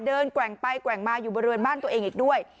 แกว่งไปแกว่งมาอยู่บริเวณบ้านตัวเองอีกด้วย